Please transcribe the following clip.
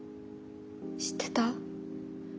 知ってた？